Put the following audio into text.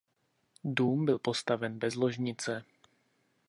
Dům byl postaven bez ložnice.